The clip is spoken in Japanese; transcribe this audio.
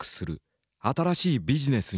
「新しいビジネス」。